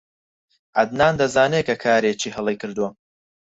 عەدنان دەزانێت کە کارێکی هەڵەی کردووە.